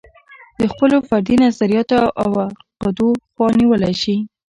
د خپلو فردي نظریاتو او عقدو خوا نیولی شي.